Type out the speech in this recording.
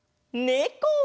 ねこ！